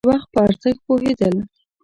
د وخت په ارزښت پوهېدل.